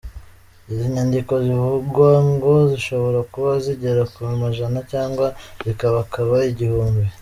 Izi nyandiko zivugwa ngo zishobora kuba zigera ku majana cyangwa zikabakaba igihumbi.